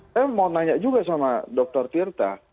saya mau nanya juga sama dr tirta